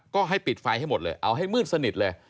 ก็ให้ปิดไฟให้หมดเลยเอาให้มืดสนิทเลย